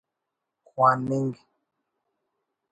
خواننگ